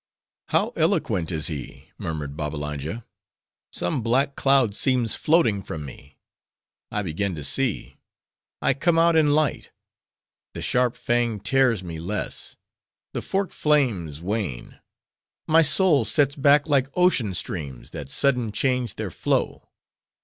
"How eloquent he is!" murmured Babbalanja. "Some black cloud seems floating from me. I begin to see. I come out in light. The sharp fang tears me less. The forked flames wane. My soul sets back like ocean streams, that sudden change their flow.